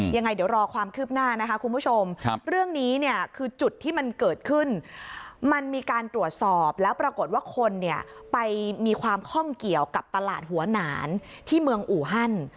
ยังไงเดี๋ยวรอความคืบหน้านะคะคุณผู้ชมเรื่องนี้เนี่ยคือจุดที่มันเกิดขึ้นมันมีการตรวจสอบแล้วปรากฏว่าคนเนี่ยไปมีความคล่องเกี่ยวกับตลาดหัวหนานที่เมืองอูฮัน